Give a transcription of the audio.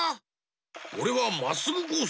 おれはまっすぐコース！